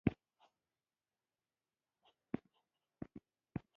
فقره مطلب انتقالوي.